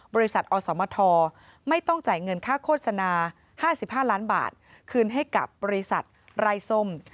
บริษัทอสมทไม่ต้องจ่ายเงินค่าโฆษณา๕๕ล้านบาทคืนให้กับบริษัทไร้ส้ม